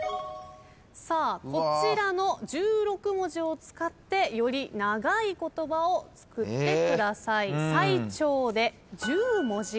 さあこちらの１６文字を使ってより長い言葉を作ってください。